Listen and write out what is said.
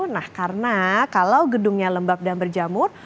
nah karena kalau gedungnya lembab dan berjamur